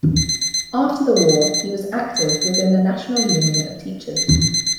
After the war he was active within the National Union of Teachers.